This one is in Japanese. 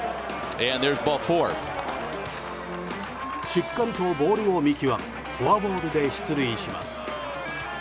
しっかりとボールを見極めフォアボールで出塁します。